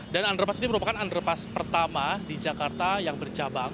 dan underpass ini merupakan underpass pertama di jakarta yang berjabang